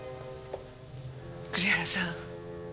栗原さん